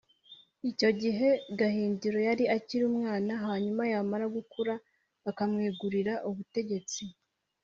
icyo gihe Gahindiro yari akiri umwana, hanyuma yamara gukura akamwegurira ubutegetsi